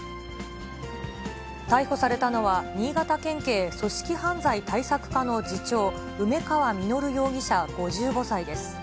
逮捕されたのは、新潟県警組織犯罪対策課の次長、梅川稔容疑者５５歳です。